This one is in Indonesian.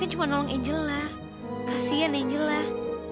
aku penolong angel lah kasian angel lah